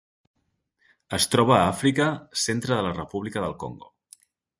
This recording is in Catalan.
Es troba a Àfrica: centre de la República del Congo.